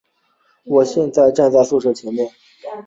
我现在站在宿舍前面